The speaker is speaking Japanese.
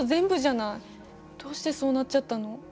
どうしてそうなっちゃったの？